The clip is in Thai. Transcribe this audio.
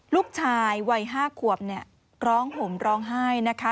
ลูกชายวัย๕ขวบเนี่ยร้องห่มร้องไห้นะคะ